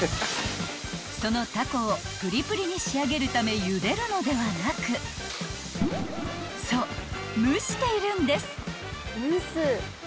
［そのタコをプリプリに仕上げるためゆでるのではなくそう蒸しているんです］